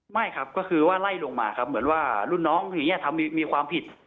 ไม่ครับก็คือว่าไล่ลงมาครับเหมือนว่ารุ่นน้องอย่างนี้มีความผิด